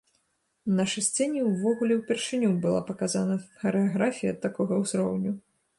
На нашай сцэне ўвогуле ўпершыню была паказана харэаграфія такога ўзроўню.